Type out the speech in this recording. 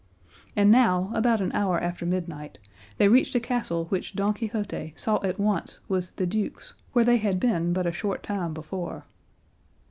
And now, about an hour after midnight, they reached a castle which Don Quixote saw at once was the duke's, where they had been but a short time before.